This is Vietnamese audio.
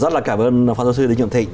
rất là cảm ơn pháp giáo sư lý trường thịnh